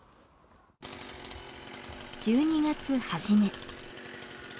１２月初め。